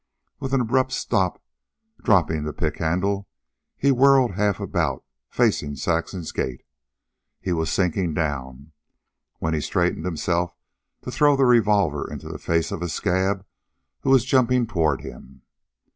With an abrupt stop, dropping the pick handle, he whirled half about, facing Saxon's gate. He was sinking down, when he straightened himself to throw the revolver into the face of a scab who was jumping toward him.